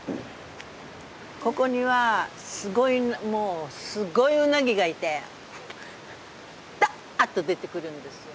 ここにはすごいもうすごいウナギがいてダーッと出てくるんですよ。